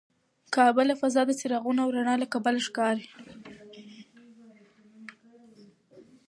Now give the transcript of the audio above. کعبه له فضا د څراغونو او رڼا له کبله ښکاري.